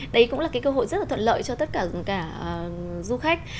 đấy cũng là cái cơ hội rất là thuận lợi cho tất cả dung cả du khách